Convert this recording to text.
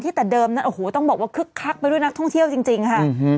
แต่เดิมนั้นโอ้โหต้องบอกว่าคึกคักไปด้วยนักท่องเที่ยวจริงค่ะ